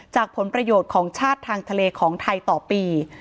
ผลประโยชน์ของชาติทางทะเลของไทยต่อปี